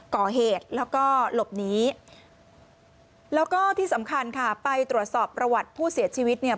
ก่อเหตุแล้วก็หลบหนีแล้วก็ที่สำคัญค่ะไปตรวจสอบประวัติผู้เสียชีวิตเนี่ย